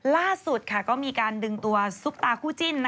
ล่าสุดก็มีการดึงตัวซุปตาคู่จิ้น